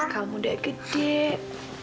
kamu udah kecil